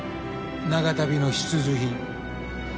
長旅の必需品。